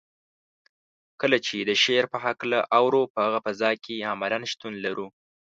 کله چې د شعر په هکله اورو په هغه فضا کې عملاً شتون لرو.